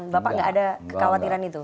bapak nggak ada kekhawatiran itu